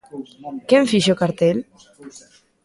Quen fixo o cartel?